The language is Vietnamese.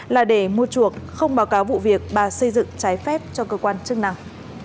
là để mua chuộc không báo cáo vụ việc bà xây dựng trái phép cho cơ quan chức năng